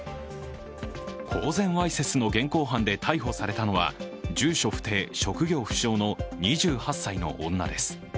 公然わいせつの現行犯で逮捕されたのは住所不定、職業不詳の２８歳の女です。